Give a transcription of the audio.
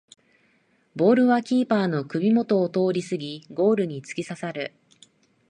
ボールはキーパーの首もとを通りすぎゴールにつきささる